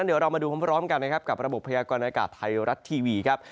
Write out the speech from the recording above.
เดี๋ยวเรามาดูพร้อมกันนะครับกับระบบพยากรณากาศไทยรัฐทีวีครับ